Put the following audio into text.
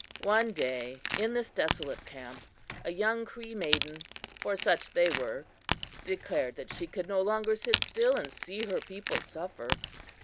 One day in this desolate camp a young Cree maiden for such they were declared that she could no longer sit still and see her people suffer.